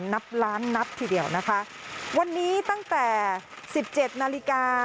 นับล้านนับทีเดียวนะคะวันนี้ตั้งแต่สิบเจ็ดนาฬิกา